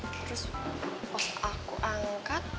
terus pas aku angkat